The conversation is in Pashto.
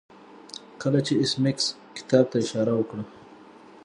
کله چې ایس میکس کتاب ته اشاره وکړه